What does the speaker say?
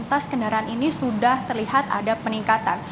jadi di atas kendaraan ini sudah terlihat ada peningkatan